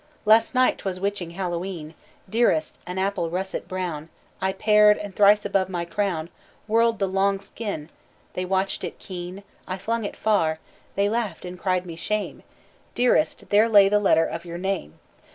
"Last night 't was witching Hallowe'en, Dearest; an apple russet brown I pared, and thrice above my crown Whirled the long skin; they watched it keen; I flung it far; they laughed and cried me shame Dearest, there lay the letter of your name.